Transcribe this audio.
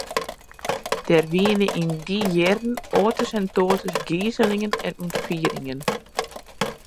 Der wiene yn dy jierren oates en toates gizelingen en ûntfieringen.